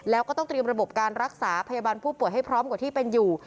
แล้วก็ต้องเตรียมระบบการรักษาพยาบาลผู้ป่วยให้พร้อมกว่าที่เป็นอยู่